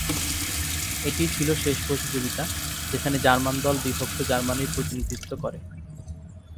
এটিই ছিল শেষ প্রতিযোগিতা, যেখানে জার্মান দল বিভক্ত জার্মানির প্রতিনিধিত্ব করে।